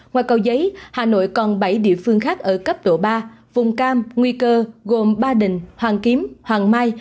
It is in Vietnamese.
ngoài cầu giấy hà nội còn bảy địa phương khác ở cấp độ ba vùng cam nguy cơ gồm ba đình hoàng kiếm hoàng mai